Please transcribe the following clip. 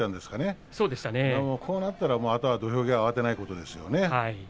もうこうなったら土俵際、慌てないことですね。